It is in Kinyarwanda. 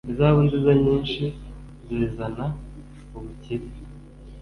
izahabu nziza nyinshi zi zana ubukire